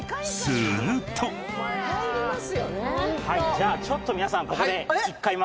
じゃあちょっと皆さん。